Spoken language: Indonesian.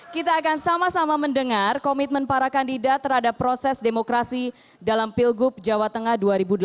kita akan sama sama mendengar komitmen para kandidat terhadap proses demokrasi dalam pilgub jawa tengah dua ribu delapan belas